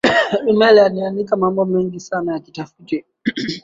rummel aliandika mambo mengi sana ya kitafiti